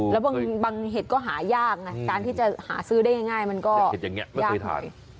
แล้วบางเห็ดก็หายากนะการที่จะหาซื้อได้ง่ายมันก็ยากหน่อย